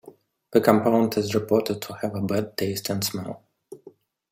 The compound is reported to have a bad taste and smell.